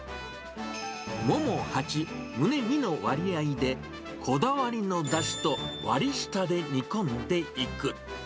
モモ８、ムネ２の割合で、こだわりのだしと割り下で煮込んでいく。